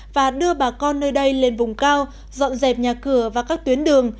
và đưa bà con nơi đây lên vùng cao dọn dẹp nhà cửa và các tuyến đường